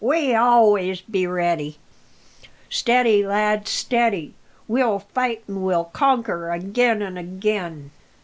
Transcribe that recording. "We always be ready! Steady, lad, steady! We'll fight an' we'll conquer agin and agin!"